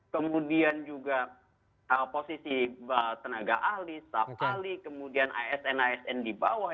kemudian juga posisi tenaga ahli staff ahli kemudian asn asn di bawah